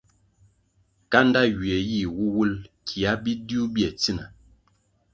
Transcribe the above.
Kanda ywie yih wuwul kia bidiu bye tsina.